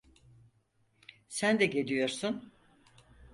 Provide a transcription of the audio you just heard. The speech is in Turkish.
Sen de geliyorsun.